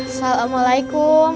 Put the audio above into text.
bapak sudah berhasil menangkap sobri